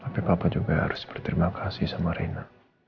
tapi papa juga harus berterima kasih sama rena